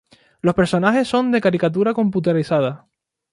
Los personajes son de caricatura computarizada.